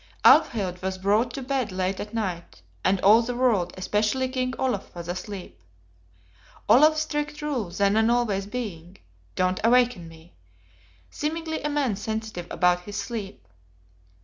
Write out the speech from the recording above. Alfhild was brought to bed late at night; and all the world, especially King Olaf was asleep; Olaf's strict rule, then and always, being, Don't awaken me: seemingly a man sensitive about his sleep.